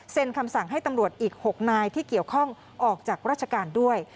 คำสั่งให้ตำรวจอีก๖นายที่เกี่ยวข้องออกจากราชการด้วย